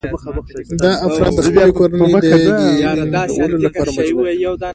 دا افراد د خپلې کورنۍ د ګېډې مړولو لپاره مجبور دي